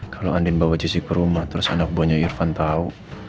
kalau andin bawa jessi ke rumah terus anak buahnya irfan tahu